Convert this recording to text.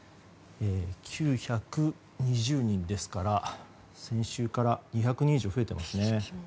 ９２０人ですから、先週から２００人以上増えていますね。